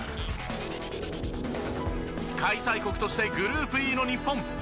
開催国としてグループＥの日本。